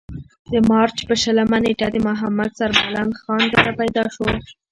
د مارچ پۀ شلمه نېټه د محمد سربلند خان کره پېدا شو ۔